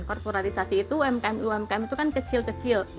corporatisasi itu umkm itu kan kecil kecil